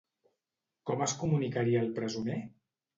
Com es comunicaria el presoner?